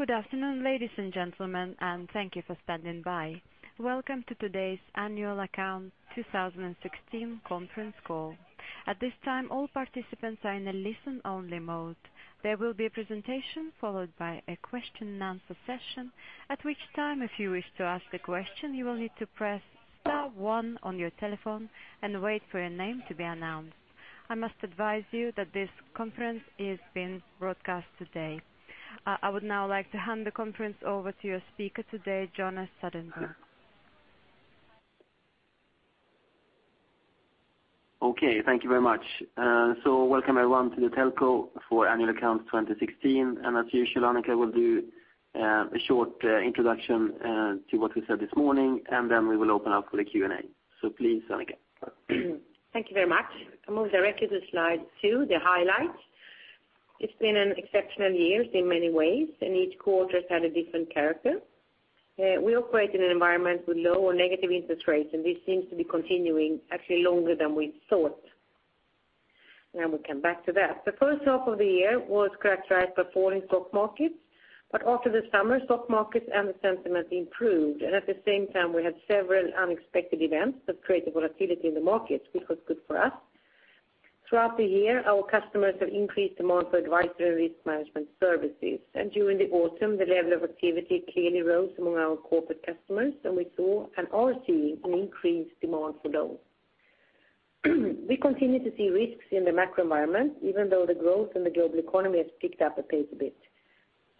Good afternoon, ladies and gentlemen, and thank you for standing by. Welcome to today's annual account 2016 conference call. At this time, all participants are in a listen-only mode. There will be a presentation followed by a question and answer session. At which time, if you wish to ask the question, you will need to press star one on your telephone and wait for your name to be announced. I must advise you that this conference is being broadcast today. I would now like to hand the conference over to your speaker today, Jonas Söderberg. Okay. Thank you very much. Welcome everyone to the telco for annual accounts 2016. As usual, Annika will do a short introduction to what we said this morning, then we will open up for the Q&A. So please, Annika. Thank you very much. I'll move directly to slide two, the highlights. It's been an exceptional year in many ways, and each quarter has had a different character. We operate in an environment with low or negative interest rates, and this seems to be continuing actually longer than we thought. We come back to that. The first half of the year was characterized by falling stock markets, but after the summer, stock markets and the sentiment improved, and at the same time, we had several unexpected events that created volatility in the markets, which was good for us. Throughout the year, our customers have increased demand for advisory and risk management services. During the autumn, the level of activity clearly rose among our corporate customers, and we saw and are seeing an increased demand for loans. We continue to see risks in the macro environment, even though the growth in the global economy has picked up a pace a bit.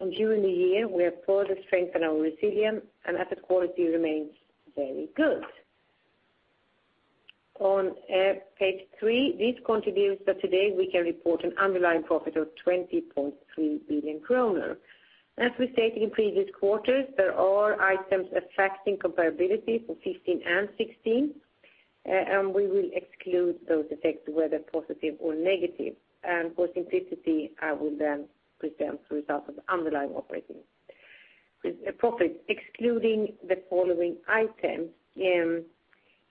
During the year, we have further strengthened our resilience and asset quality remains very good. On page three, this contributes that today we can report an underlying profit of 20.3 billion kronor. As we stated in previous quarters, there are items affecting comparability for 2015 and 2016. We will exclude those effects, whether positive or negative. For simplicity, I will then present the result of underlying operating profit, excluding the following items.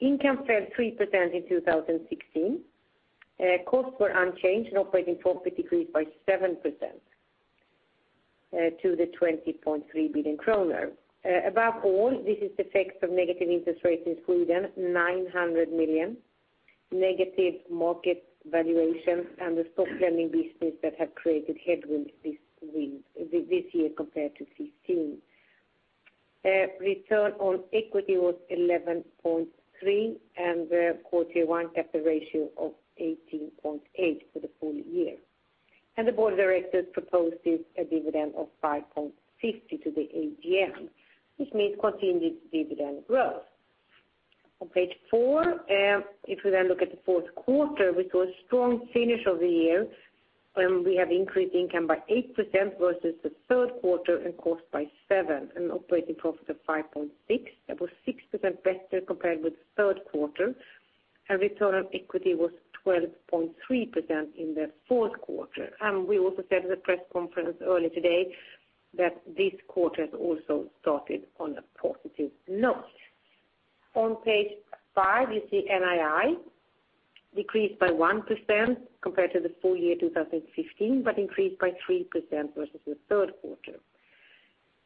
Income fell 3% in 2016. Costs were unchanged and operating profit decreased by 7% to the 20.3 billion kronor. Above all, this is the effects of negative interest rates in Sweden, 900 million, negative market valuations and the stock lending business that have created headwinds this year compared to 2015. Return on equity was 11.3% and the Core Tier 1 capital ratio of 18.8% for the full year. The board of directors proposes a dividend of 5.50 to the AGM, which means continued dividend growth. On page four, looking at the fourth quarter, we saw a strong finish of the year, we have increased income by 8% versus the third quarter and cost by 7%. Operating profit of 5.6%. That was 6% better compared with the third quarter. Our return on equity was 12.3% in the fourth quarter. We also said in the press conference earlier today that this quarter has also started on a positive note. On page five, you see NII decreased by 1% compared to the full year 2015, increased by 3% versus the third quarter.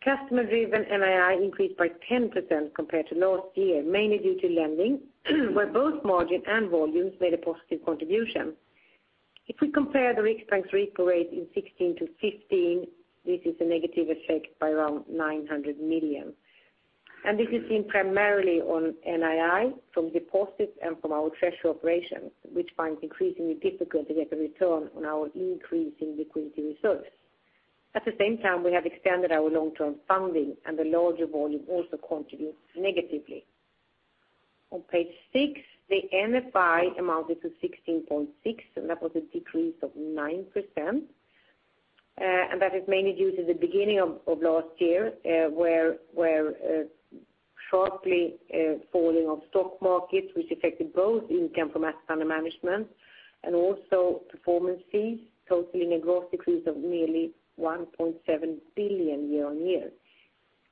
Customer-driven NII increased by 10% compared to last year, mainly due to lending, where both margin and volumes made a positive contribution. If we compare the Riksbank's repo rate in 2016 to 2015, this is a negative effect by around 900 million. This is seen primarily on NII from deposits and from our treasury operations, which find it increasingly difficult to get a return on our increasing liquidity reserves. At the same time, we have extended our long-term funding, the larger volume also contributes negatively. On page six, the NFI amounted to 16.6, that was a decrease of 9%. That is mainly due to the beginning of last year, where sharply falling of stock markets, which affected both income from asset under management and also performance fees, totaling a gross decrease of nearly 1.7 billion year on year.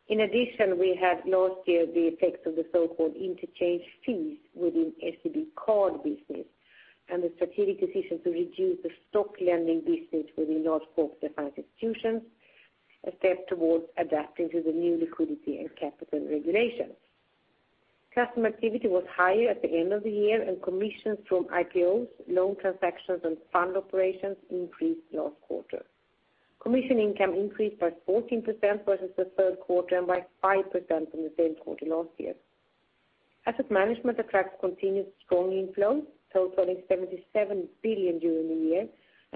In addition, we had last year the effects of the so-called interchange fees within SEB Card business and the strategic decision to reduce the stock lending business with the large corporate and Financial Institutions, a step towards adapting to the new liquidity and capital regulations. Customer activity was higher at the end of the year, commissions from IPOs, loan transactions, and fund operations increased last quarter. Commission income increased by 14% versus the third quarter and by 5% from the same quarter last year. Asset management attracts continued strong inflows, totaling 77 billion during the year,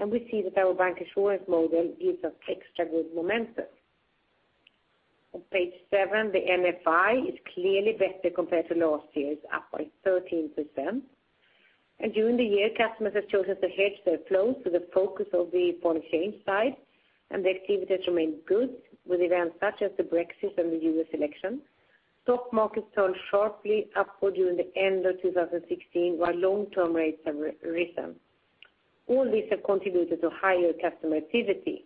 we see that our bank insurance model gives us extra good momentum. On page seven, the NFI is clearly better compared to last year's, up by 13%. During the year, customers have chosen to hedge their flows with a focus on the foreign exchange side, the activity has remained good with events such as the Brexit and the U.S. election. Stock markets turned sharply upward during the end of 2016, while long-term rates have risen. All these have contributed to higher customer activity.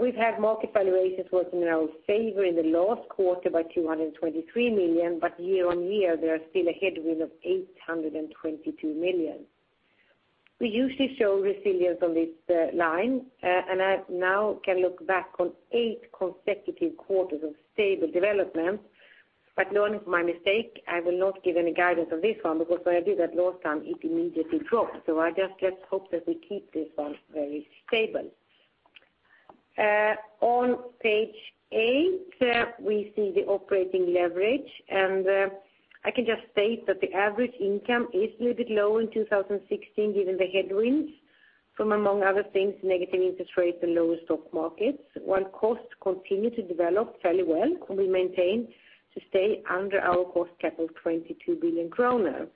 We've had market valuations working in our favor in the last quarter by 223 million, year on year, there is still a headwind of 822 million. We usually show resilience on this line, I now can look back on eight consecutive quarters of stable development. Learning from my mistake, I will not give any guidance on this one because when I did that last time, it immediately dropped. I just hope that we keep this one very stable. On page eight, we see the operating leverage. I can just state that the average income is a little bit low in 2016 given the headwinds from, among other things, negative interest rates and lower stock markets. While costs continue to develop fairly well, we maintain to stay under our cost cap of 22 billion kronor.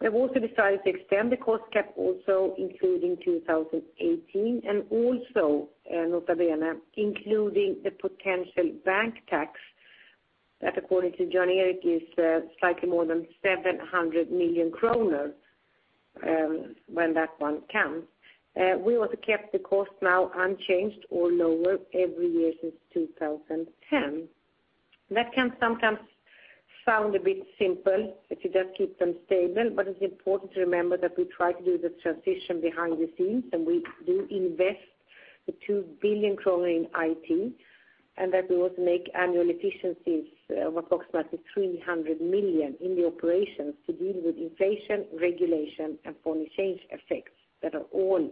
We have also decided to extend the cost cap including 2018 and also, nota bene, including the potential bank tax that according to Jan Erik is slightly more than 700 million kronor when that one comes. We also kept the cost now unchanged or lower every year since 2010. That can sometimes sound a bit simple if you just keep them stable. It's important to remember that we try to do the transition behind the scenes. We do invest the 2 billion kronor in IT. We also make annual efficiencies of approximately 300 million in the operations to deal with inflation, regulation, and foreign exchange effects that are all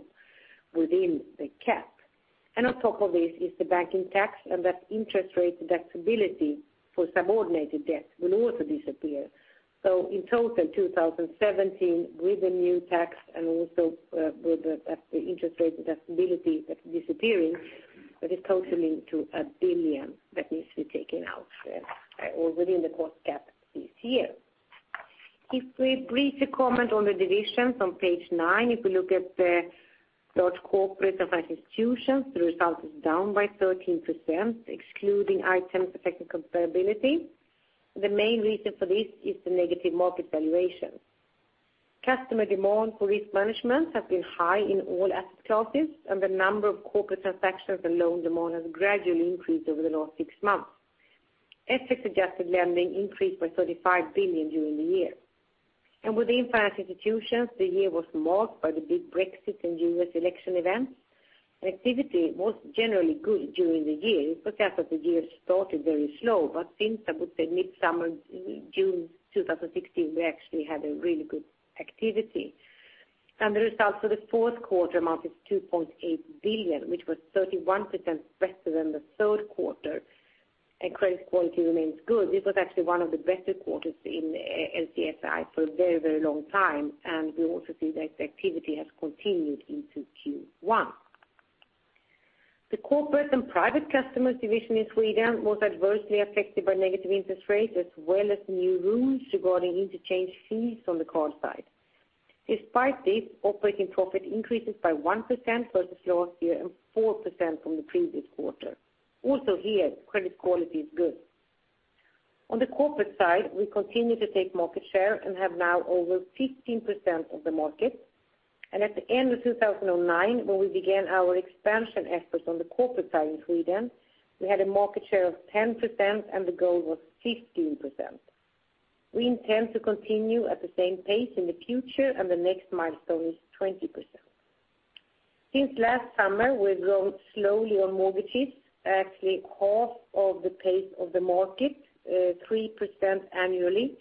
within the cap. On top of this is the bank tax and that interest rate deductibility for subordinated debt will also disappear. In total, 2017, with the new tax and also with the interest rate deductibility disappearing, that is totaling to 1 billion that needs to be taken out or within the cost cap this year. If we briefly comment on the divisions on page nine, if we look at the Large Corporates & Financial Institutions, the result is down by 13%, excluding items affecting comparability. The main reason for this is the negative market valuation. Customer demand for risk management has been high in all asset classes. The number of corporate transactions and loan demand has gradually increased over the last six months. FX-adjusted lending increased by 35 billion during the year. Within Financial Institutions, the year was marked by the big Brexit and U.S. election events. Activity was generally good during the year. It was just that the year started very slow, but since about the Midsummer in June 2016, we actually had a really good activity. The results for the fourth quarter amounted to 2.8 billion, which was 31% better than the third quarter, and credit quality remains good. This was actually one of the better quarters in LC&FI for a very long time. We also see that the activity has continued into Q1. The Corporate & Private Customers division in Sweden was adversely affected by negative interest rates as well as new rules regarding interchange fees on the card side. Despite this, operating profit increases by 1% versus last year and 4% from the previous quarter. Also here, credit quality is good. On the corporate side, we continue to take market share and have now over 15% of the market. At the end of 2009, when we began our expansion efforts on the corporate side in Sweden, we had a market share of 10% and the goal was 15%. We intend to continue at the same pace in the future and the next milestone is 20%. Since last summer, we've grown slowly on mortgages, actually half of the pace of the market, 3% annually.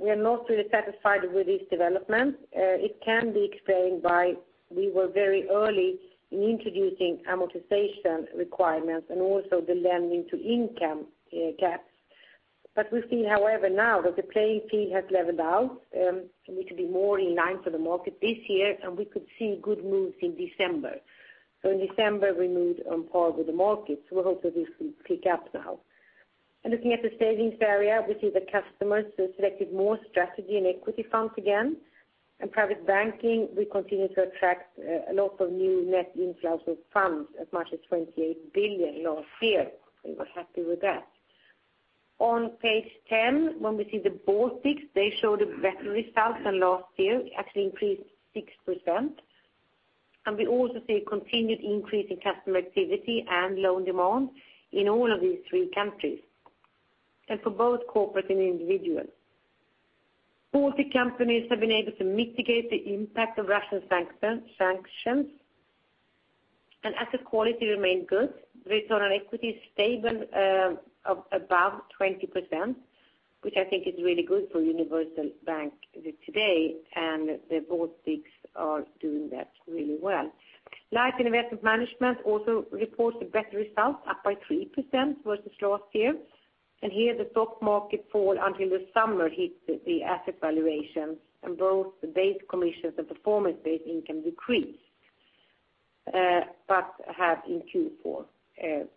We are not really satisfied with this development. It can be explained by we were very early in introducing amortization requirements and also the loan-to-income gaps. We see, however, now that the playing field has leveled out, and we could be more in line for the market this year, and we could see good moves in December. In December, we moved on par with the market. We hope that this will pick up now. Looking at the savings area, we see that customers have selected more strategy and equity funds again. In private banking, we continue to attract a lot of new net inflows of funds, as much as 28 billion last year. We were happy with that. On page 10, when we see the Baltics, they showed a better result than last year. It actually increased 6%. We also see a continued increase in customer activity and loan demand in all of these three countries, and for both corporate and individual. Baltic companies have been able to mitigate the impact of Russian sanctions, and asset quality remained good. Return on equity is stable above 20%, which I think is really good for a universal bank today, and the Baltics are doing that really well. Life & Asset Management also reports a better result, up by 3% versus last year. Here the stock market fall until the summer hit the asset valuation, and both the base commissions and performance-based income decreased, but have in Q4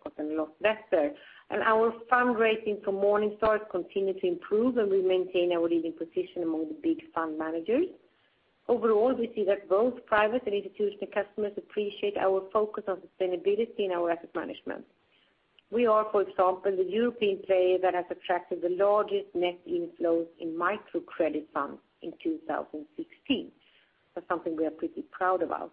gotten a lot better. Our fund ratings from Morningstar continue to improve, and we maintain our leading position among the big fund managers. Overall, we see that both private and institutional customers appreciate our focus on sustainability in our asset management. We are, for example, the European player that has attracted the largest net inflows in microcredit funds in 2016. That's something we are pretty proud about.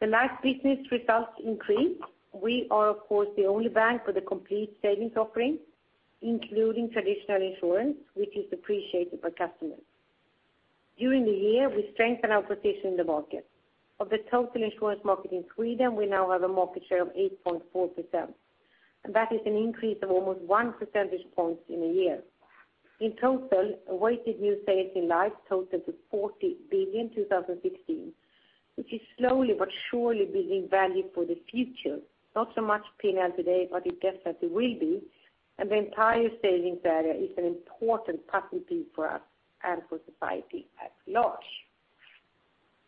The life business results increased. We are, of course, the only bank with a complete savings offering, including traditional insurance, which is appreciated by customers. During the year, we strengthened our position in the market. Of the total insurance market in Sweden, we now have a market share of 8.4%, and that is an increase of almost one percentage point in a year. In total, weighted new sales in life totaled to 40 billion in 2016, which is slowly but surely building value for the future. Not so much P&L today, but it definitely will be. The entire savings area is an important puzzle piece for us and for society at large.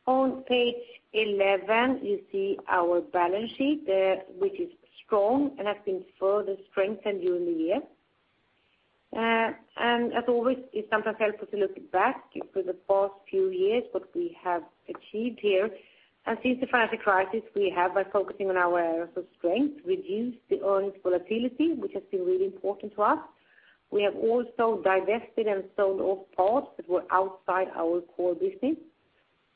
On page 11, you see our balance sheet there, which is strong and has been further strengthened during the year. As always, it's sometimes helpful to look back over the past few years, what we have achieved here. Since the financial crisis, we have, by focusing on our areas of strength, reduced the earnings volatility, which has been really important to us. We have also divested and sold off parts that were outside our core business.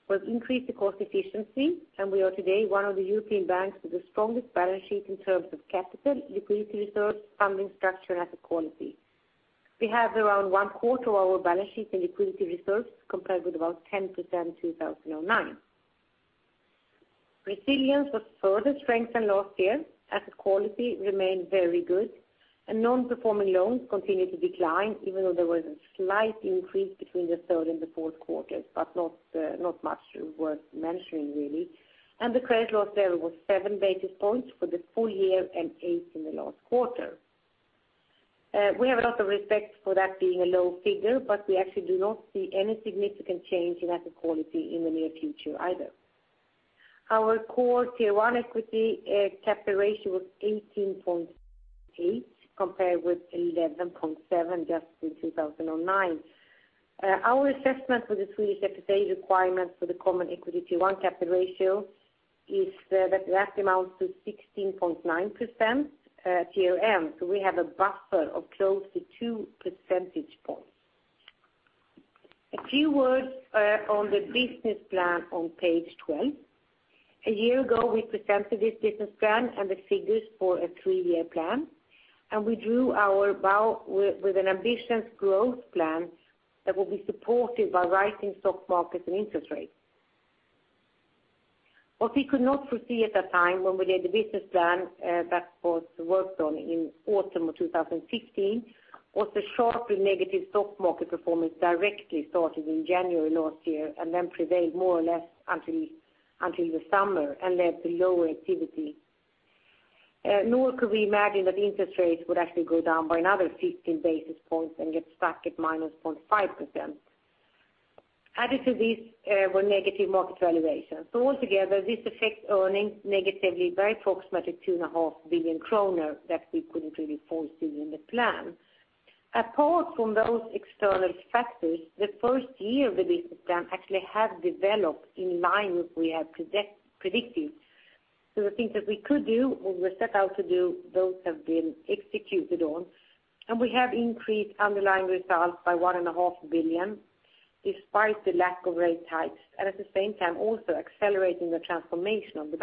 We've increased the cost efficiency. We are today one of the European banks with the strongest balance sheet in terms of capital, liquidity reserves, funding structure, and asset quality. We have around one quarter of our balance sheet in liquidity reserves compared with about 10% in 2009. Resilience was further strengthened last year, asset quality remained very good. Non-performing loans continued to decline, even though there was a slight increase between the third and the fourth quarters, but not much worth mentioning, really. The credit loss there was seven basis points for the full year and eight in the last quarter. We have a lot of respect for that being a low figure. We actually do not see any significant change in asset quality in the near future either. Our core CET1 equity capital ratio was 18.8% compared with 11.7% just in 2009. Our assessment for the Swedish FSA requirement for the common equity CET1 capital ratio is that amount to 16.9% Tier 1. We have a buffer of close to two percentage points. A few words on the business plan on page 12. A year ago, we presented this business plan and the figures for a three-year plan, and we drew our bow with an ambitious growth plan that will be supported by rising stock markets and interest rates. What we could not foresee at that time when we did the business plan that was worked on in the autumn of 2016 was the sharply negative stock market performance directly starting in January last year and then prevailed more or less until the summer and led to lower activity. Nor could we imagine that interest rates would actually go down by another 50 basis points and get stuck at -0.5%. Added to this were negative market valuations. Altogether, this affects earnings negatively by approximately 2.5 billion kronor that we couldn't really foresee in the plan. Apart from those external factors, the first year of the business plan actually has developed in line with we had predicted. The things that we could do or we set out to do, those have been executed on, and we have increased underlying results by 1.5 billion, despite the lack of rate hikes, and at the same time also accelerating the transformation of the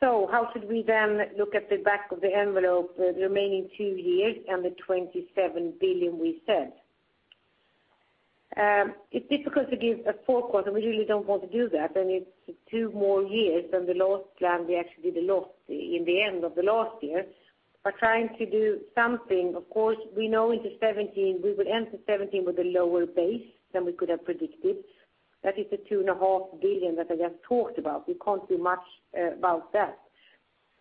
bank. How should we then look at the back of the envelope the remaining two years and the 27 billion we said? It's difficult to give a forecast. We really don't want to do that. It's two more years than the last plan we actually did in the end of the last year. By trying to do something, of course, we know into 2017 we will end 2017 with a lower base than we could have predicted. That is the 2.5 billion that I just talked about. We can't do much about that.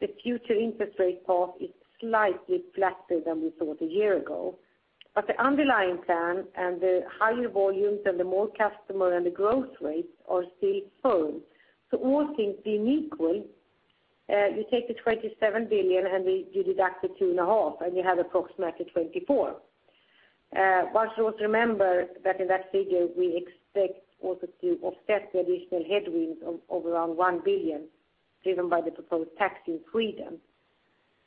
The future interest rate path is slightly flatter than we thought a year ago. The underlying plan and the higher volumes and the more customer and the growth rates are still firm. All things being equal you take the 27 billion and you deduct the 2.5 billion, and you have approximately 24 billion. Also remember that in that figure we expect also to offset the additional headwinds of around one billion driven by the proposed tax in Sweden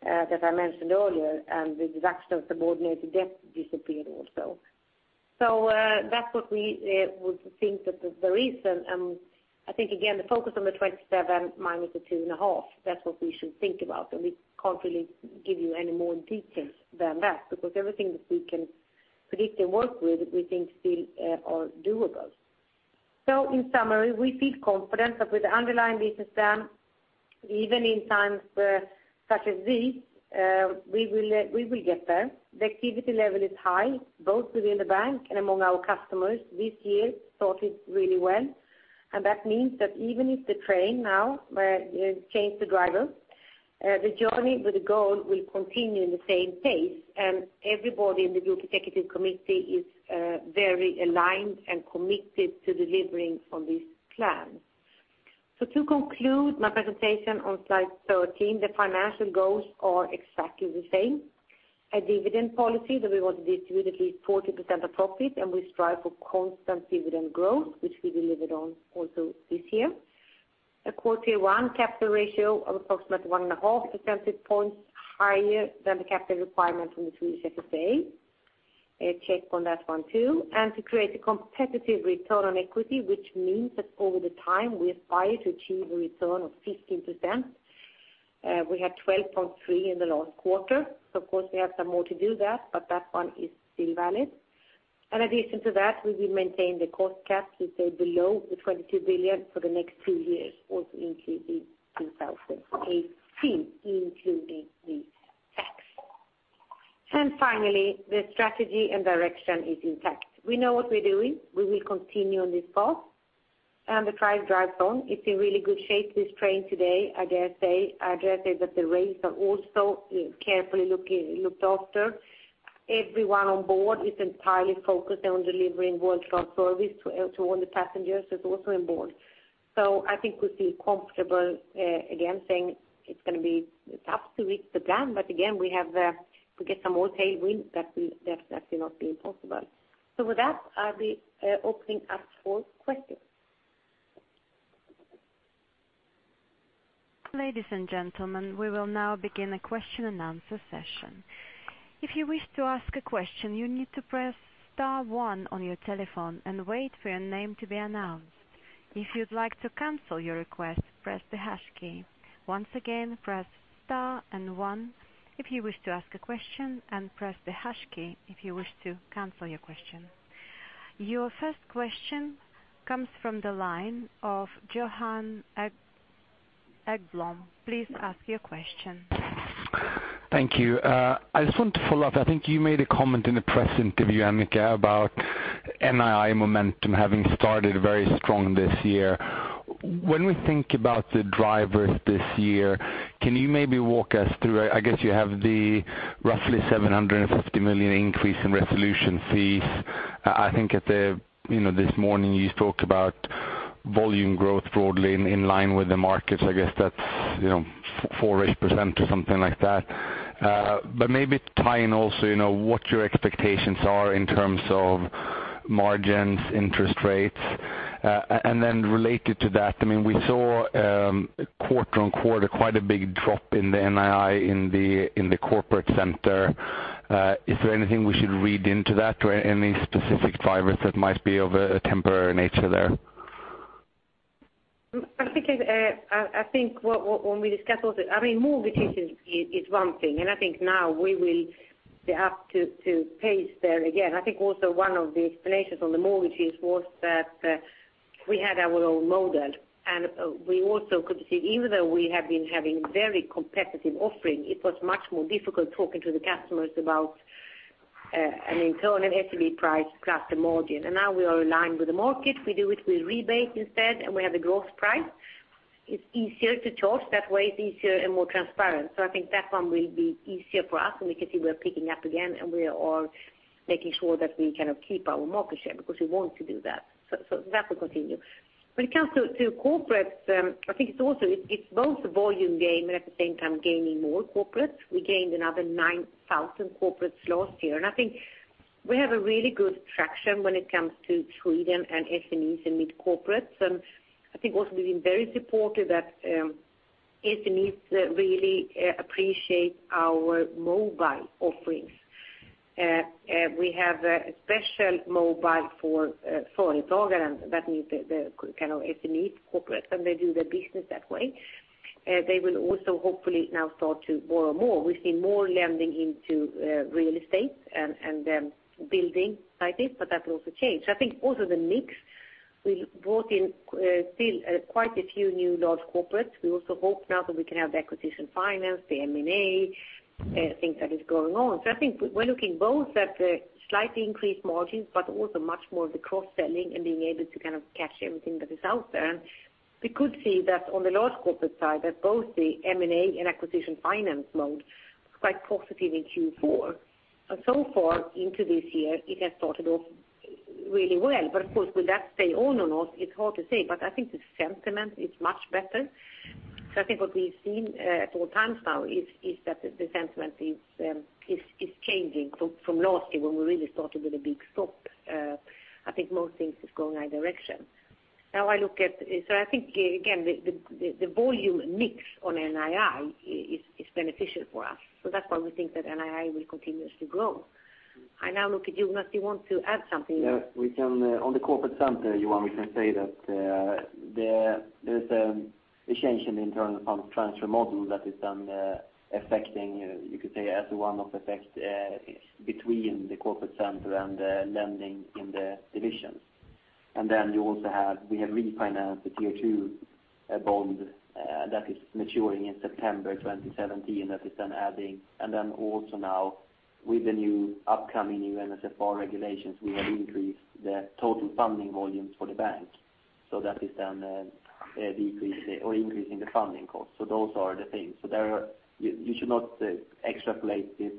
that I mentioned earlier and the deduction of subordinated debt disappeared also. That's what we would think that the reason, I think again the focus on the 27 minus the 2.5, that's what we should think about and we can't really give you any more details than that because everything that we can predict and work with we think still are doable. In summary, we feel confident that with the underlying business plan, even in times such as these we will get there. The activity level is high both within the bank and among our customers. This year started really well and that means that even if the train now changed the driver, the journey with the goal will continue in the same pace and everybody in the Group Executive Committee is very aligned and committed to delivering on this plan. To conclude my presentation on slide 13, the financial goals are exactly the same. A dividend policy that we will distribute at least 40% of profit, we strive for constant dividend growth, which we delivered on also this year. A quarter one capital ratio of approximately 1.5 percentage points higher than the capital requirement from the Swedish FSA. A check on that one, too. To create a competitive return on equity, which means that over the time we aspire to achieve a return of 15%. We had 12.3 in the last quarter. Of course, we have some more to do there, but that one is still valid. In addition to that, we will maintain the cost cap to stay below 22 billion for the next two years, also including 2018, including the tax. Finally, the strategy and direction is intact. We know what we're doing. We will continue on this path. The train drives on. It's in really good shape, this train today, I dare say. I dare say that the rails are also carefully looked after. Everyone on board is entirely focused on delivering world-class service to all the passengers who are also on board. I think we feel comfortable, again, saying it's going to be tough to reach the plan, but again, if we get some more tailwind, that will not be impossible. With that, I'll be opening up for questions. Ladies and gentlemen, we will now begin a question and answer session. If you wish to ask a question, you need to press star one on your telephone and wait for your name to be announced. If you'd like to cancel your request, press the hash key. Once again, press star and one if you wish to ask a question, and press the hash key if you wish to cancel your question. Your first question comes from the line of Johan Ekblom. Please ask your question. Thank you. I just want to follow up. I think you made a comment in the press interview, Annika, about NII momentum having started very strong this year. When we think about the drivers this year, can you maybe walk us through it? I guess you have the roughly 750 million increase in resolution fees. I think this morning you spoke about volume growth broadly in line with the markets. I guess that's 4% or 8% or something like that. Maybe tie in also what your expectations are in terms of margins, interest rates. Related to that, we saw quarter-on-quarter, quite a big drop in the NII in the corporate center. Is there anything we should read into that or any specific drivers that might be of a temporary nature there? I think when we discuss also, mortgages is one thing, and I think now we will be up to pace there again. I think also one of the explanations on the mortgages was that we had our own model, and we also could see, even though we have been having very competitive offering, it was much more difficult talking to the customers about an internal SEB price plus the margin. Now we are aligned with the market. We do it with rebates instead, and we have a gross price. It's easier to choose that way. It's easier and more transparent. I think that one will be easier for us, and we can see we're picking up again, and we are making sure that we keep our market share because we want to do that. That will continue. When it comes to corporate, I think it's both a volume game and at the same time gaining more corporates. We gained another 9,000 corporates last year, and I think we have a really good traction when it comes to Sweden and SMEs and mid corporates. I think also we've been very supportive that SMEs really appreciate our mobile offerings. We have a special mobile for that means the SME corporate, and they do their business that way. They will also hopefully now start to borrow more. We've seen more lending into real estate and building sites, but that will also change. I think also the mix will brought in still quite a few new large corporates. We also hope now that we can have the acquisition finance, the M&A thing that is going on. I think we're looking both at the slightly increased margins, but also much more of the cross-selling and being able to catch everything that is out there. We could see that on the large corporate side, that both the M&A and acquisition finance mode was quite positive in Q4. Far into this year, it has started off really well. Of course, will that stay on or not? It's hard to say, but I think the sentiment is much better. I think what we've seen at all times now is that the sentiment is changing from last year when we really started with a big stop. I think most things is going in that direction. I think, again, the volume mix on NII is beneficial for us. That's why we think that NII will continue to grow. I now look at Jonas, you want to add something? On the corporate center, Johan, we can say that there's a change in the internal fund transfer model that is then affecting, you could say as one of effect between the corporate center and the lending in the divisions. We have refinanced the Tier 2 bond that is maturing in September 2017. That is then adding, and then also now with the new upcoming new NSFR regulations, we will increase the total funding volumes for the bank. That is then increasing the funding cost. Those are the things. You should not extrapolate this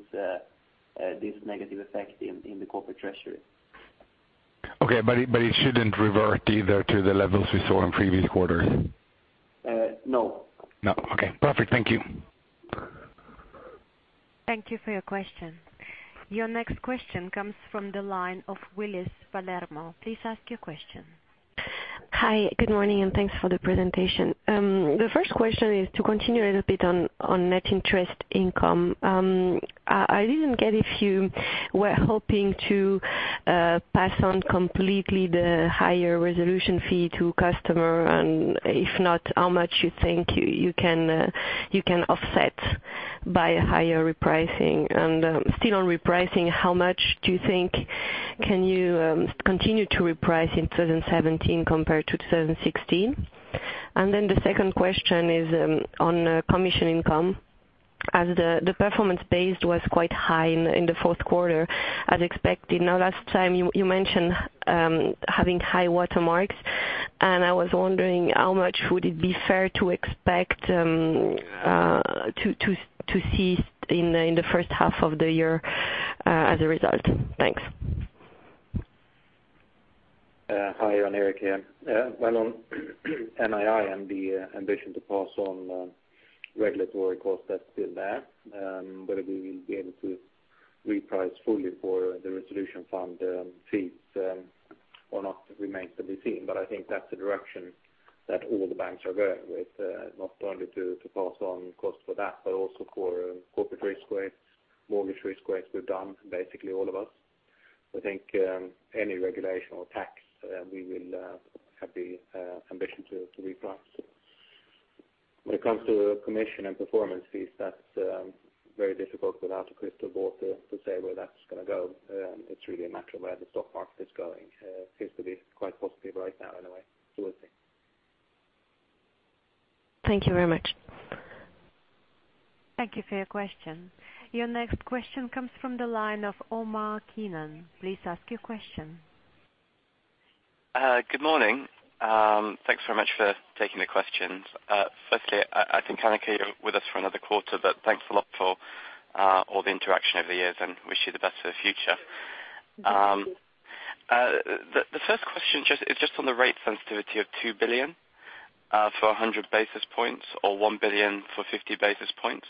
negative effect in the corporate treasury. It shouldn't revert either to the levels we saw in previous quarters? No. No. Okay, perfect. Thank you. Thank you for your question. Your next question comes from the line of Willis Palermo. Please ask your question. Hi, good morning, thanks for the presentation. The first question is to continue a little bit on net interest income. I didn't get if you were hoping to pass on completely the higher resolution fee to customer, and if not, how much you think you can offset by higher repricing. Still on repricing, how much do you think can you continue to reprice in 2017 compared to 2016? Then the second question is on commission income, as the performance base was quite high in the fourth quarter as expected. Last time you mentioned having high water marks, and I was wondering how much would it be fair to expect to see in the first half of the year as a result? Thanks. Hi. Jan Erik here. Well, on NII and the ambition to pass on regulatory costs, that's still there. Whether we will be able to reprice fully for the resolution fund fees or not remains to be seen. I think that's the direction that all the banks are going with, not only to pass on costs for that, but also for corporate risk weights, mortgage risk weights. We're done, basically all of us. We think any regulation or tax, we will have the ambition to reprice. When it comes to commission and performance fees, that's very difficult without a crystal ball to say where that's going to go. It's really a matter of where the stock market is going. Seems to be quite positive right now anyway, we'll see. Thank you very much. Thank you for your question. Your next question comes from the line of Omar Keenan. Please ask your question. Good morning. Thanks very much for taking the questions. Firstly, I think, Annika, you're with us for another quarter, but thanks a lot for all the interaction over the years and wish you the best for the future. Thank you. The first question is just on the rate sensitivity of 2 billion for 100 basis points or 1 billion for 50 basis points.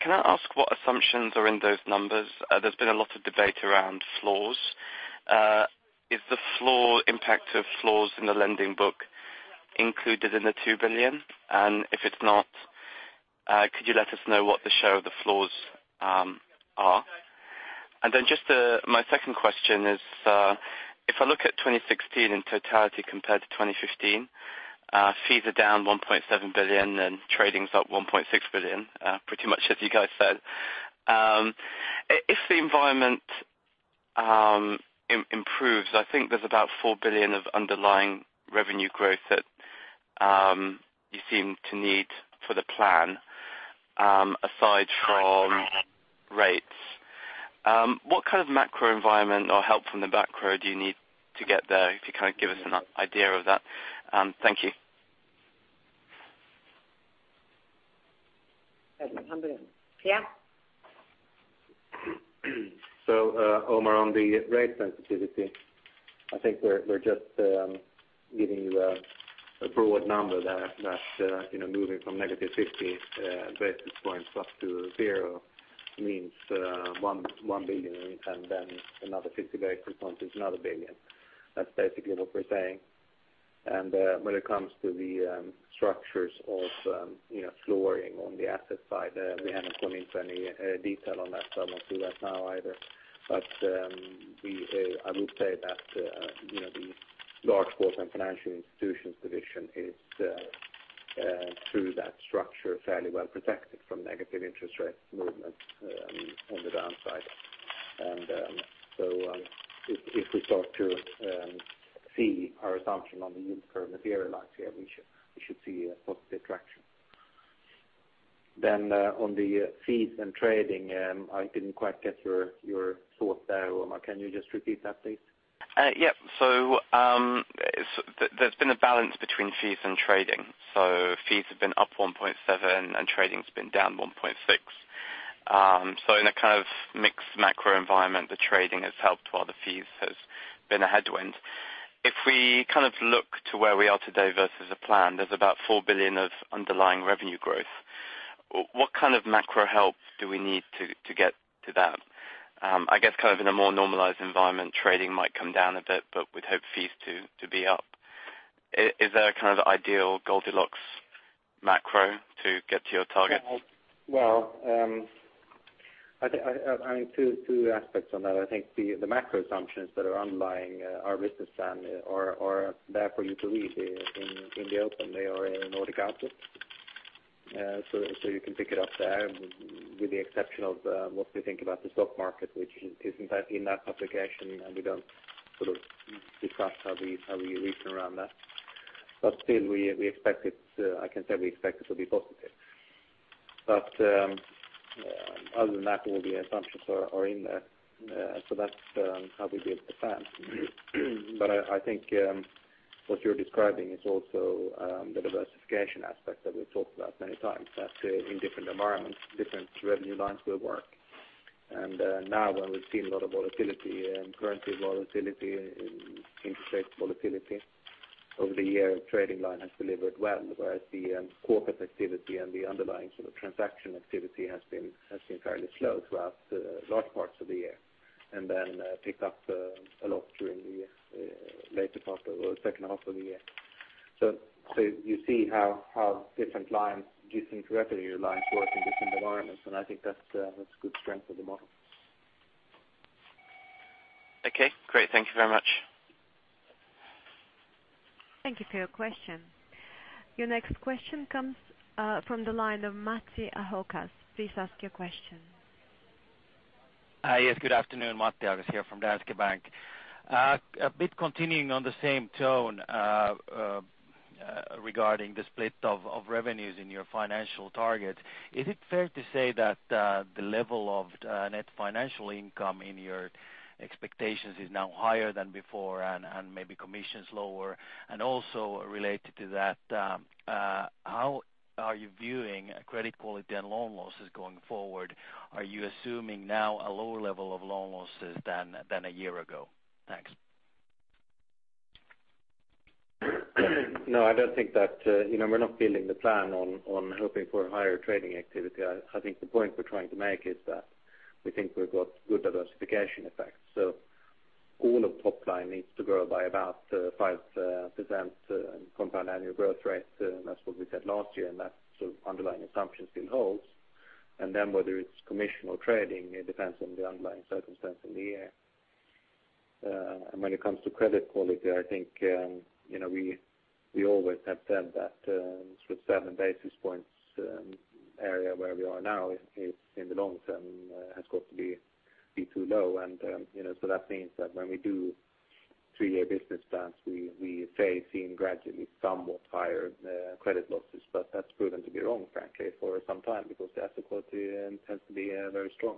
Can I ask what assumptions are in those numbers? There's been a lot of debate around floors. Is the impact of floors in the lending book included in the 2 billion? If it's not, could you let us know what the share of the floors are? My second question is, if I look at 2016 in totality compared to 2015, fees are down 1.7 billion, and trading's up 1.6 billion, pretty much as you guys said. If the environment improves, I think there's about 4 billion of underlying revenue growth that you seem to need for the plan, aside from rates. What kind of macro environment or help from the macro do you need to get there, if you can give us an idea of that? Thank you. Omar, on the rate sensitivity, I think we're just giving you a broad number there that moving from negative 50 basis points up to zero means 1 billion, and then another 50 basis points is another 1 billion. That's basically what we're saying. When it comes to the structures of floors on the asset side, we haven't gone into any detail on that, so I won't do that now either. I will say that the Large Corporates & Financial Institutions division is, through that structure, fairly well protected from negative interest rate movements on the downside. If we start to see our assumption on the yield curve materialize here, we should see a positive traction. On the fees and trading, I didn't quite get your thought there, Omar. Can you just repeat that, please? Yeah. There's been a balance between fees and trading. Fees have been up 1.7, and trading's been down 1.6. In a mixed macro environment, the trading has helped while the fees has been a headwind. If we look to where we are today versus the plan, there's about 4 billion of underlying revenue growth. What kind of macro help do we need to get to that? I guess in a more normalized environment, trading might come down a bit, but we'd hope fees to be up. Is there a ideal Goldilocks macro to get to your target? Well, two aspects on that. I think the macro assumptions that are underlying our business plan are there for you to read in the open. They are in Nordic Outlook. You can pick it up there with the exception of what we think about the stock market, which is in that publication, and we don't discuss how we reason around that. Still, I can say we expect it to be positive. Other than that, all the assumptions are in there. That's how we built the plan. I think What you're describing is also the diversification aspect that we've talked about many times. That in different environments, different revenue lines will work. Now when we've seen a lot of volatility and currency volatility and interest rate volatility over the year, trading line has delivered well. the corporate activity and the underlying transaction activity has been fairly slow throughout large parts of the year, picked up a lot during the second half of the year. You see how different revenue lines work in different environments, and I think that's good strength of the model. Okay, great. Thank you very much. Thank you for your question. Your next question comes from the line of Matti Ahokas. Please ask your question. Yes, good afternoon. Matti Ahokas here from Danske Bank. A bit continuing on the same tone regarding the split of revenues in your financial targets. Is it fair to say that the level of net financial income in your expectations is now higher than before and maybe commission's lower? Also related to that, how are you viewing credit quality and loan losses going forward? Are you assuming now a lower level of loan losses than a year ago? Thanks. No, we're not building the plan on hoping for higher trading activity. I think the point we're trying to make is that we think we've got good diversification effects. All of top-line needs to grow by about 5% compound annual growth rate. That's what we said last year, and that underlying assumption still holds. Whether it's commission or trading, it depends on the underlying circumstance in the year. When it comes to credit quality, I think we always have said that seven basis points area where we are now is in the long term has got to be too low. That means that when we do three-year business plans, we say seeing gradually somewhat higher credit losses. That's proven to be wrong, frankly, for some time, because the asset quality tends to be very strong.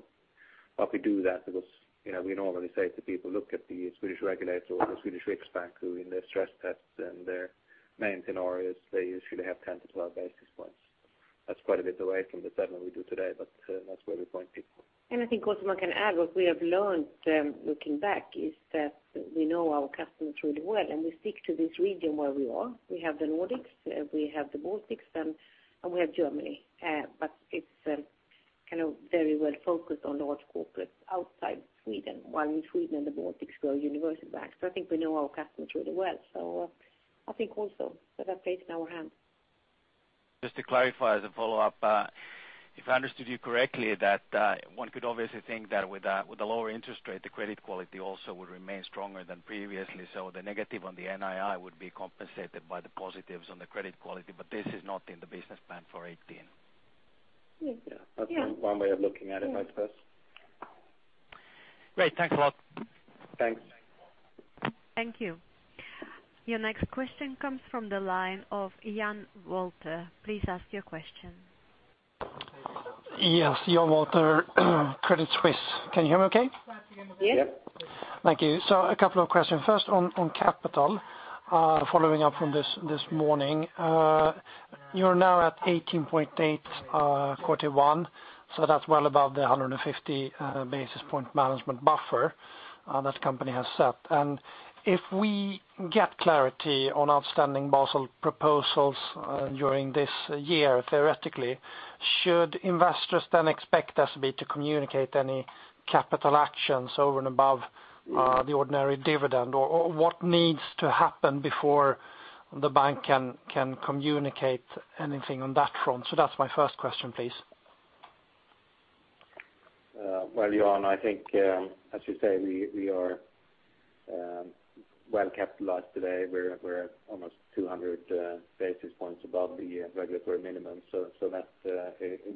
We do that because we normally say to people, look at the Swedish regulators or the Swedish Riksbank, who in their stress tests and their main scenarios, they usually have 10 to 12 basis points. That's quite a bit away from the seven we do today, that's where we point people. I think also one can add what we have learned looking back is that we know our customers really well, and we stick to this region where we are. We have the Nordics, we have the Baltics, and we have Germany. It's very well-focused on large corporates outside Sweden, while in Sweden and the Baltics we are a universal bank. I think we know our customers really well. I think also that that plays in our hands. Just to clarify as a follow-up. If I understood you correctly, that one could obviously think that with the lower interest rate, the credit quality also would remain stronger than previously. The negative on the NII would be compensated by the positives on the credit quality, this is not in the business plan for 2018. Yes. That's one way of looking at it, I suppose. Great. Thanks a lot. Thanks. Thank you. Your next question comes from the line of Jan Wolter. Please ask your question. Yes, Jan Wolter, Credit Suisse. Can you hear me okay? Yes. Yes. Thank you. A couple of questions. First on capital, following up from this morning. You're now at 18.8 quarter one, so that's well above the 150 basis point management buffer that company has set. If we get clarity on outstanding Basel proposals during this year, theoretically, should investors then expect SEB to communicate any capital actions over and above the ordinary dividend? What needs to happen before the bank can communicate anything on that front? That's my first question, please. Jan, I think, as you say, we are well capitalized today. We're at almost 200 basis points above the regulatory minimum. That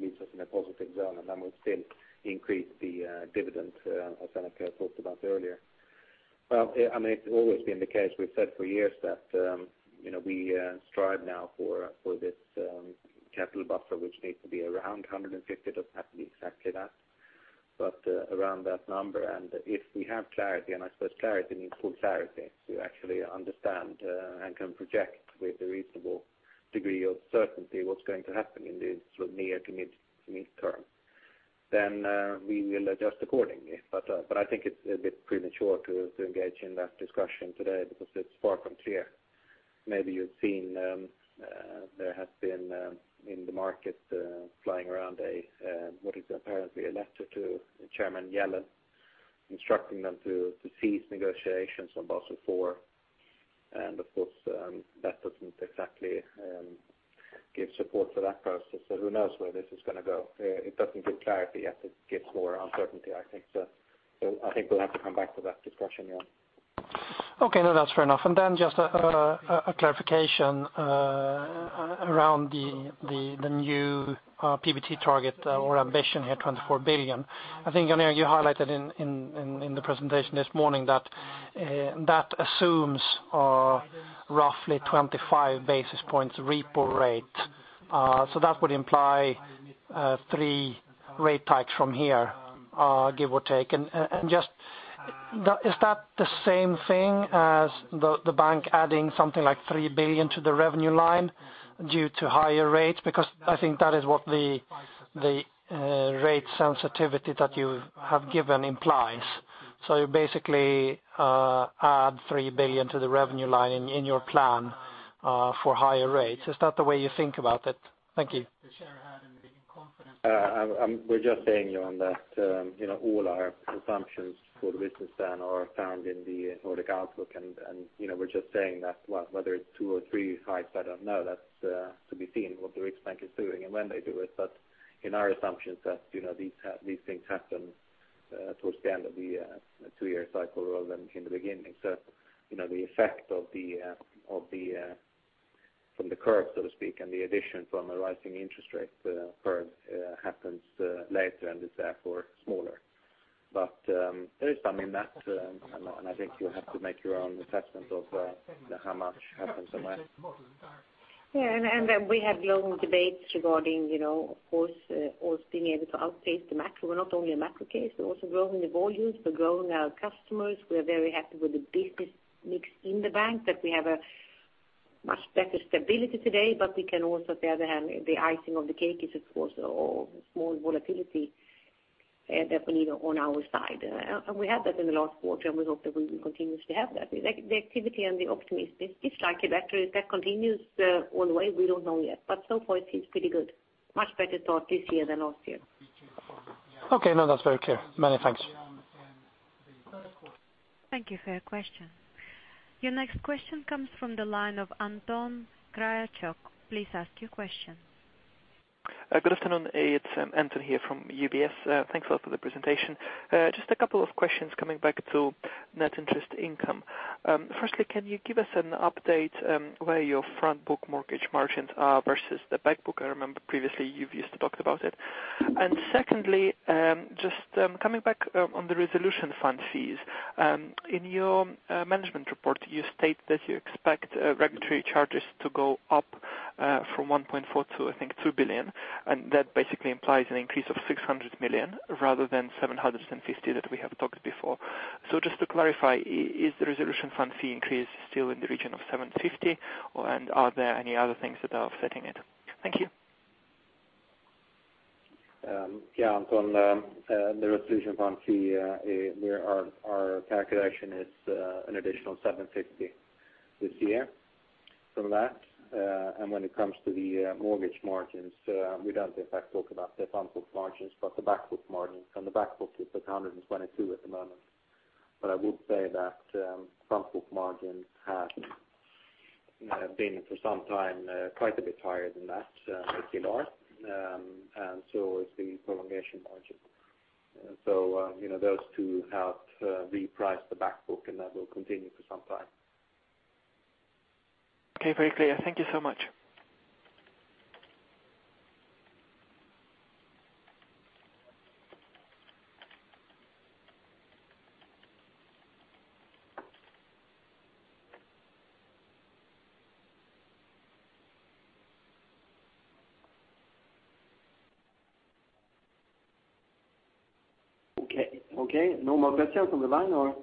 leaves us in a positive zone, and then we'll still increase the dividend as Annika talked about earlier. It's always been the case, we've said for years that we strive now for this capital buffer, which needs to be around 150. It doesn't have to be exactly that. Around that number. If we have clarity, and I suppose clarity means full clarity, to actually understand and can project with a reasonable degree of certainty what's going to happen in the near to mid-term. We will adjust accordingly. I think it's a bit premature to engage in that discussion today because it's far from clear. Maybe you've seen there has been in the market flying around what is apparently a letter to Janet Yellen instructing them to cease negotiations on Basel IV. Of course, that doesn't exactly give support for that process. Who knows where this is going to go. It doesn't give clarity yet, it gives more uncertainty, I think. I think we'll have to come back to that discussion, Jan. That's fair enough. Just a clarification around the new PBT target or ambition here, 24 billion. I think, Jan, you highlighted in the presentation this morning that assumes roughly 25 basis points repo rate. That would imply three rate hikes from here Give or take. Is that the same thing as the bank adding something like 3 billion to the revenue line due to higher rates? I think that is what the rate sensitivity that you have given implies. You basically add 3 billion to the revenue line in your plan for higher rates. Is that the way you think about it? Thank you. We're just saying, Jan, that all our assumptions for the business plan are found in the Nordic Outlook. We're just saying that whether it's two or three hikes, I don't know. That's to be seen, what the Riksbank is doing and when they do it. In our assumptions that these things happen towards the end of the two-year cycle rather than in the beginning. The effect from the curve, so to speak, and the addition from a rising interest rate curve happens later and is therefore smaller. There is some in that, and I think you have to make your own assessment of how much happens or when. We have long debates regarding, of course, us being able to outpace the macro. We're not only a macro case, we're also growing the volumes. We're growing our customers. We are very happy with the business mix in the bank, that we have a much better stability today. We can also, on the other hand, the icing on the cake is, of course, the small volatility that we need on our side. We had that in the last quarter, and we hope that we will continuously have that. The activity and the optimism is likely that continues all the way. We don't know yet. So far, it seems pretty good. Much better thought this year than last year. That's very clear. Many thanks. Thank you for your question. Your next question comes from the line of Anton Kryachok. Please ask your question. Good afternoon. It's Anton here from UBS. Thanks a lot for the presentation. Just a couple of questions coming back to net interest income. Firstly, can you give us an update where your front book mortgage margins are versus the back book? I remember previously you've used to talk about it. Secondly, just coming back on the resolution fund fees. In your management report, you state that you expect regulatory charges to go up from 1.4 to, I think, 2 billion, and that basically implies an increase of 600 million rather than 750 that we have talked before. Just to clarify, is the resolution fund fee increase still in the region of 750? Are there any other things that are offsetting it? Thank you. Yeah, Anton. The resolution fund fee, our calculation is an additional 750 this year from that. When it comes to the mortgage margins, we don't, in fact, talk about the front book margins, but the back book margins. The back book is at 122 at the moment. I would say that front book margins have been for some time quite a bit higher than that, LCR. So is the prolongation margin. Those two have repriced the back book, and that will continue for some time. Okay, very clear. Thank you so much. Okay. No more questions on the line, or?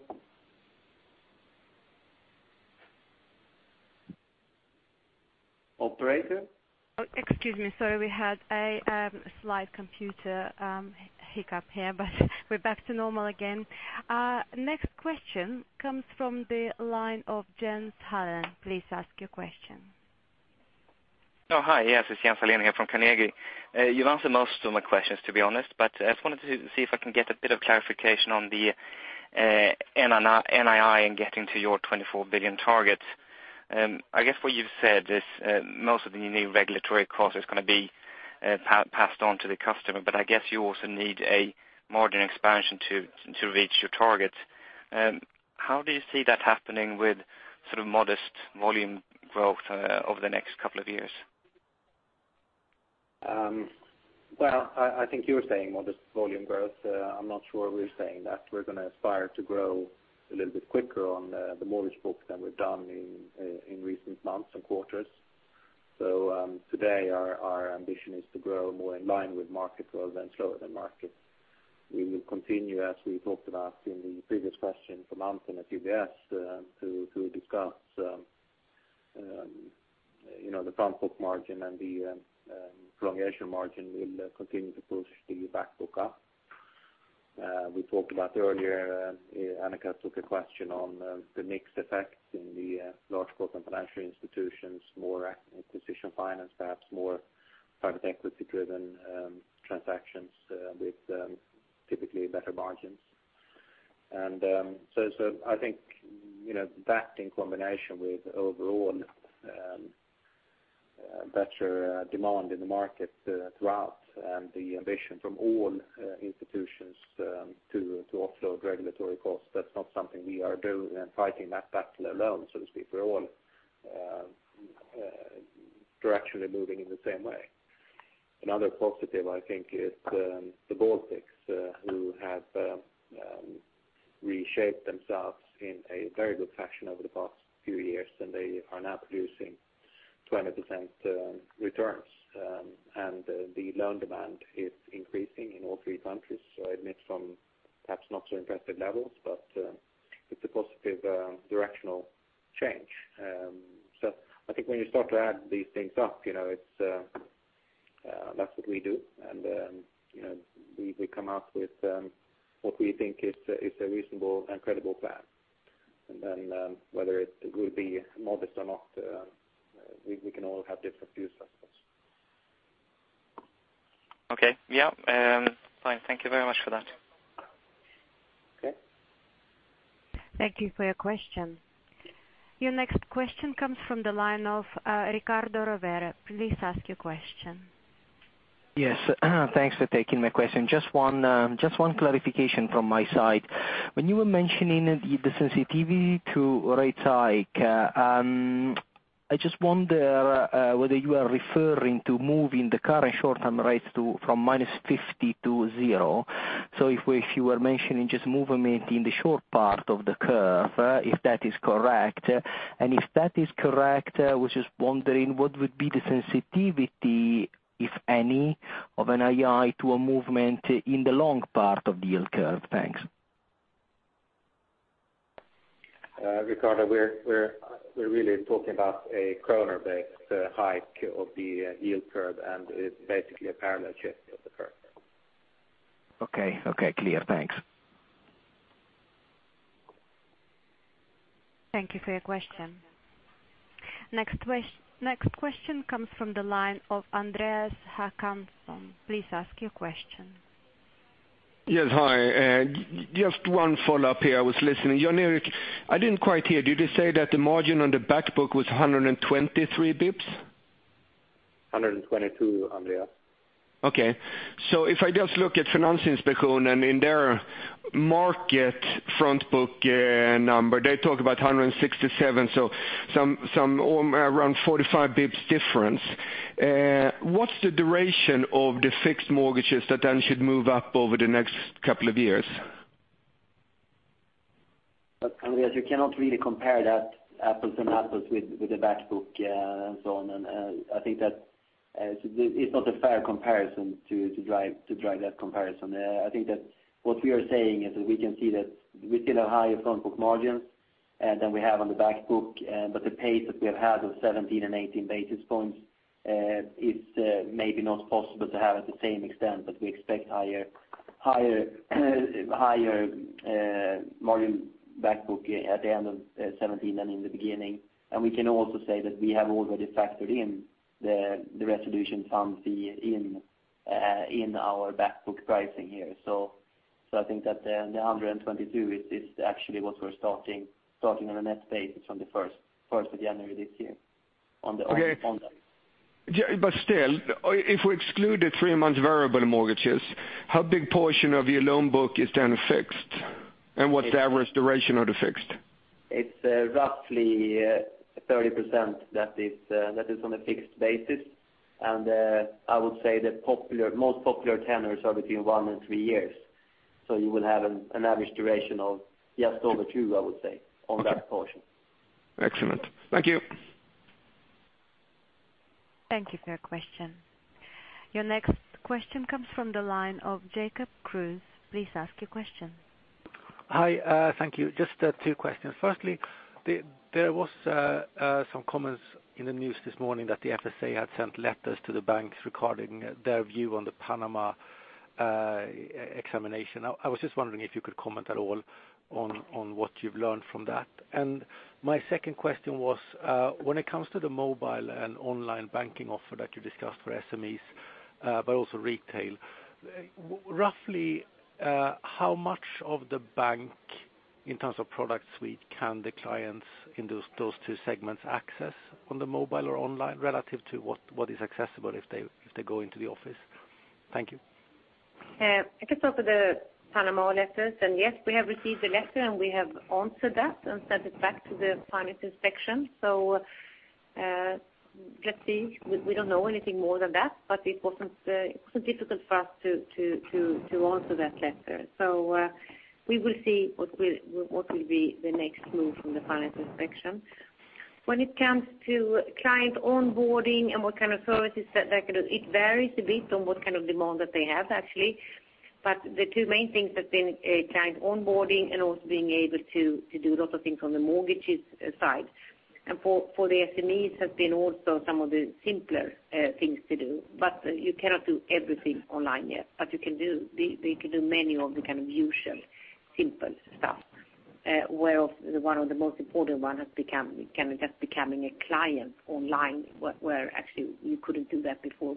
Operator? Oh, excuse me. Sorry, we had a slight computer hiccup here, but we're back to normal again. Next question comes from the line of Jaan Tallinn. Please ask your question. Oh, hi. Yes, it's Jaan Tallinn here from Carnegie. You've answered most of my questions, to be honest, but I just wanted to see if I can get a bit of clarification on the NII in getting to your 24 billion targets. I guess what you've said is most of the new regulatory cost is going to be passed on to the customer, but I guess you also need a margin expansion to reach your targets. How do you see that happening with modest volume growth over the next couple of years? I think you were saying modest volume growth. I'm not sure we're saying that. We're going to aspire to grow a little bit quicker on the mortgage book than we've done in recent months and quarters. Today, our ambition is to grow more in line with market rather than slower than market. We will continue, as we talked about in the previous question from Anton Kryachok at UBS, to discuss the front book margin and the prolongation margin will continue to push the back book up. We talked about earlier, Annika took a question on the mix effect in the Large Corporates & Financial Institutions, more acquisition finance, perhaps more private equity-driven transactions with typically better margins. I think that in combination with overall better demand in the market throughout and the ambition from all institutions to offload regulatory costs, that's not something we are doing and fighting that battle alone, so to speak. We're all directionally moving in the same way. Another positive, I think, is the Baltics, who have reshaped themselves in a very good fashion over the past few years, and they are now producing 20% returns. The loan demand is increasing in all three countries, I admit from perhaps not so impressive levels, but it's a positive directional change. I think when you start to add these things up, that's what we do. We come out with what we think is a reasonable and credible plan. Then whether it will be modest or not, we can all have different views, I suppose. Okay. Yeah. Fine. Thank you very much for that. Okay. Thank you for your question. Your next question comes from the line of Ricardo Rovere. Please ask your question. Yes. Thanks for taking my question. Just one clarification from my side. When you were mentioning the sensitivity to rates hike, I just wonder whether you are referring to moving the current short-term rates from -50 to 0. If you were mentioning just movement in the short part of the curve, if that is correct. If that is correct, I was just wondering what would be the sensitivity, if any, of an NII to a movement in the long part of the yield curve. Thanks. Ricardo, we're really talking about a kroner-based hike of the yield curve. It's basically a parallel shift of the curve. Okay, clear. Thanks. Thank you for your question. Next question comes from the line of Andreas Håkansson. Please ask your question. Yes. Hi. Just one follow-up here. I was listening. Jan Erik, I didn't quite hear, did you say that the margin on the back book was 123 basis points? 122, Andreas. Okay. If I just look at Finansinspektionen, in their market front book number, they talk about 167, around 45 basis points difference. What's the duration of the fixed mortgages that then should move up over the next couple of years? Look, Andreas, you cannot really compare that apples and apples with the back book and so on. I think that it's not a fair comparison to drive that comparison. I think that what we are saying is that we can see that we still have higher front book margins than we have on the back book, but the pace that we have had of 17 and 18 basis points is maybe not possible to have at the same extent, but we expect higher margin back book at the end of 2017 than in the beginning. We can also say that we have already factored in the resolution fund fee in our back book pricing here. I think that the 122 is actually what we're starting on a net basis from the 1st of January this year on that. Okay. Still, if we exclude the three-month variable mortgages, how big portion of your loan book is then fixed? What's the average duration of the fixed? It's roughly 30% that is on a fixed basis. I would say the most popular tenures are between one and three years. You will have an average duration of just over two, I would say, on that portion. Excellent. Thank you. Thank you for your question. Your next question comes from the line of Jacob Kruse. Please ask your question. Hi. Thank you. Just two questions. Firstly, there was some comments in the news this morning that the FSA had sent letters to the banks regarding their view on the Panama examination. I was just wondering if you could comment at all on what you've learned from that. My second question was, when it comes to the mobile and online banking offer that you discussed for SMEs, but also retail, roughly how much of the bank, in terms of product suite, can the clients in those two segments access on the mobile or online relative to what is accessible if they go into the office? Thank you. I can talk of the Panama letters. Yes, we have received the letter, and we have answered that and sent it back to the Finansinspektionen. Let's see. We don't know anything more than that, but it wasn't difficult for us to answer that letter. We will see what will be the next move from the Finansinspektionen. When it comes to client onboarding and what kind of services that they can do, it varies a bit on what kind of demand that they have, actually. The two main things have been client onboarding and also being able to do a lot of things on the mortgages side. For the SMEs have been also some of the simpler things to do, but you cannot do everything online yet. You can do many of the usual simple stuff. One of the most important one has become just becoming a client online, where actually you couldn't do that before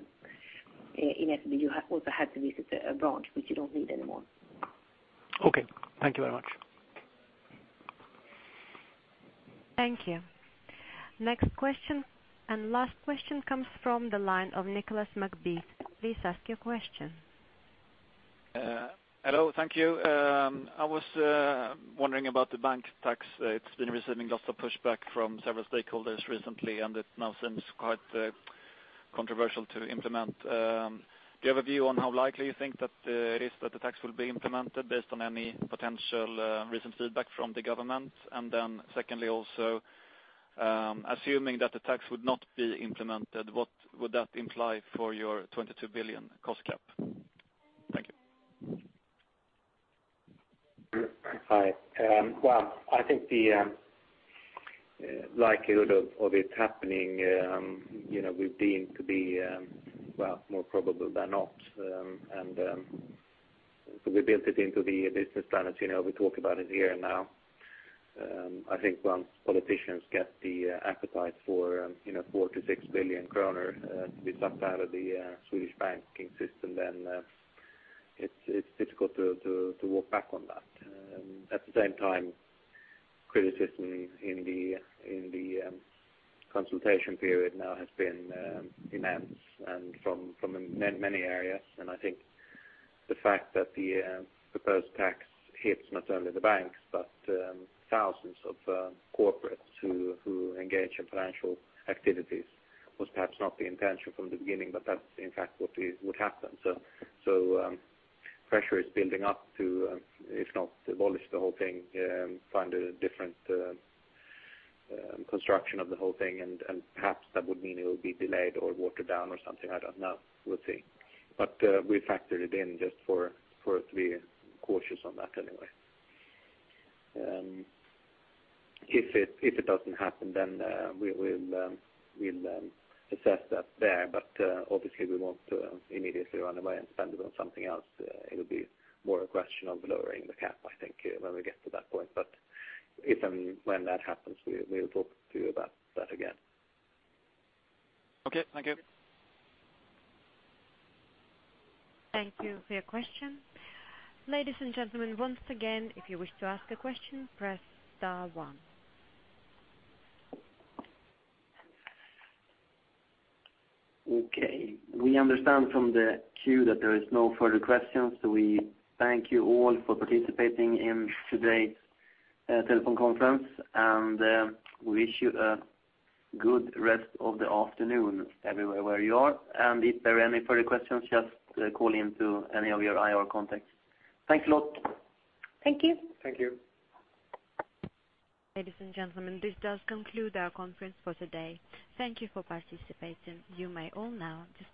in SEB. You also had to visit a branch, which you don't need anymore. Okay. Thank you very much. Thank you. Next question, and last question comes from the line of Nicholas McBeath. Please ask your question. Hello. Thank you. I was wondering about the bank tax. It's been receiving lots of pushback from several stakeholders recently, and it now seems quite controversial to implement. Do you have a view on how likely you think that it is that the tax will be implemented based on any potential recent feedback from the government? Secondly, also, assuming that the tax would not be implemented, what would that imply for your 22 billion cost cap? Thank you. Hi. Well, I think the likelihood of it happening we've deemed to be more probable than not. We built it into the business plan as you know we talk about it here now. I think once politicians get the appetite for 4 billion-6 billion kronor to be sucked out of the Swedish banking system, then it's difficult to walk back on that. At the same time, criticism in the consultation period now has been immense and from many areas. I think the fact that the proposed tax hits not only the banks but thousands of corporates who engage in financial activities was perhaps not the intention from the beginning, but that's in fact what would happen. Pressure is building up to, if not abolish the whole thing, find a different construction of the whole thing, perhaps that would mean it would be delayed or watered down or something. I don't know. We'll see. We factored it in just for it to be cautious on that anyway. If it doesn't happen, we'll assess that there. Obviously we won't immediately run away and spend it on something else. It would be more a question of lowering the cap, I think, when we get to that point. If and when that happens, we'll talk to you about that again. Okay. Thank you. Thank you for your question. Ladies and gentlemen, once again, if you wish to ask a question, press star one. Okay. We understand from the queue that there is no further questions. We thank you all for participating in today's telephone conference. We wish you a good rest of the afternoon everywhere where you are. If there are any further questions, just call in to any of your IR contacts. Thanks a lot. Thank you. Thank you. Ladies and gentlemen, this does conclude our conference for today. Thank you for participating. You may all now disconnect.